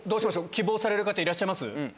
希望される方いらっしゃいます？